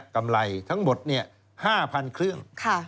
กำไรทั้งหมด๕๐๐๐เครื่อง